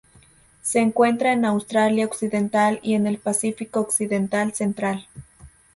Se encuentra en Australia Occidental y en el Pacífico occidental central.